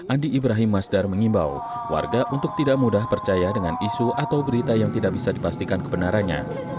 andi ibrahim masdar mengimbau warga untuk tidak mudah percaya dengan isu atau berita yang tidak bisa dipastikan kebenarannya